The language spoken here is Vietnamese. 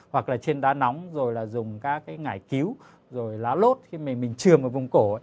hoặc là trên đá nóng rồi là dùng các cái ngải cứu rồi lá lốt khi mình trường ở vùng cổ